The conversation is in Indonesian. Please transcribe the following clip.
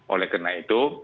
oleh karena itu